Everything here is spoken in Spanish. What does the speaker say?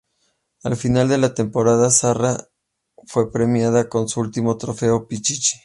Al final de la temporada, Zarra fue premiado con su último Trofeo Pichichi.